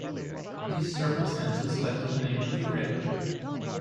These circumstances led to the naming of the reactor.